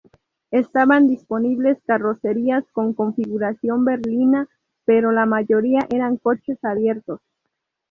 Estaban disponibles carrocerías con configuración berlina, pero la mayoría eran coches abiertos.